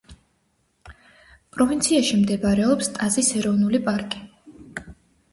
პროვინციაში მდებარეობს ტაზის ეროვნული პარკი.